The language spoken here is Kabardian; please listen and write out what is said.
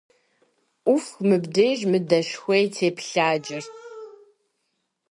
Ӏуфх мыбдеж мы дэшхуей теплъаджэр!